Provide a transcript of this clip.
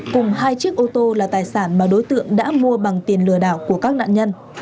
cùng hai chiếc ô tô là tài sản mà đối tượng đã mua bằng tiền lừa đảo của các nạn nhân